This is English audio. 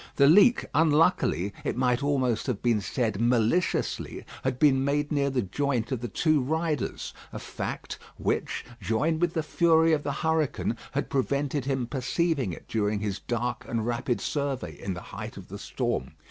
The leak unluckily it might almost have been said, maliciously had been made near the joint of the two riders, a fact which, joined with the fury of the hurricane, had prevented him perceiving it during his dark and rapid survey in the height of the storm.